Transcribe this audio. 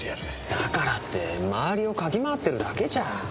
だからって周りを嗅ぎ回ってるだけじゃ。